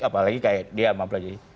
apalagi kayak dia mempelajari